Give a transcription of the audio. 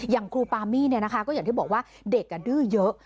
อย่างครูปามี่ก็อย่างที่บอกว่าเด็กดื้อเยอะ